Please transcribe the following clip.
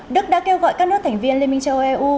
đức đã kêu gọi các nước thành viên liên minh châu âu eu